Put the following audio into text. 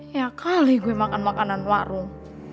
ya kali gue makan makanan warung